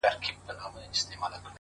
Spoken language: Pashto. هوډ د وېرې بندونه ماتوي,